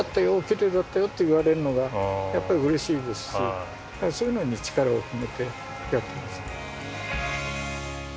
きれいだったよ」って言われるのがやっぱりうれしいですしそういうのに力を込めてやってます。